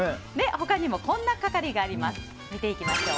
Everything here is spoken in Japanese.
他にもこんな係があります。